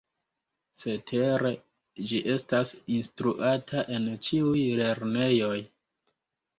Cetere, ĝi estas instruata en ĉiuj lernejoj.